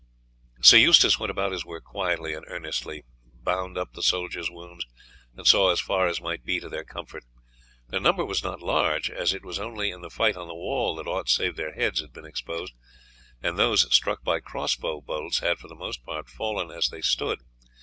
Sir Eustace went about his work quietly and earnestly, bound up the soldiers' wounds, and saw as far as might be to their comfort. Their number was not large, as it was only in the fight on the wall that aught save their heads had been exposed, and those struck by cross bow bolts had for the most part fallen as they stood.